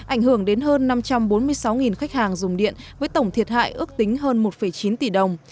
ảnh hưởng đến hơn năm trăm bốn mươi sáu khách hàng dùng điện với tổng thiệt hại ước tính hơn một chín tỷ đồng